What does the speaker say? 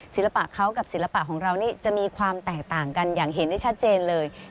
ศิลปะเขากับศิลปะของเรานี่จะมีความแตกต่างกันอย่างเห็นได้ชัดเจนเลย